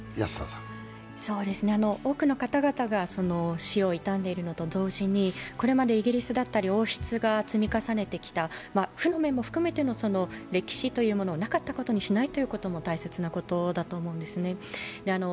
多くの方々が死を悼んでいるのと同時にこれまでイギリスだったり王室が積み重ねてきた負の面も含めた歴史というものを、なかったものにしないということも大切なことだと思うんですね。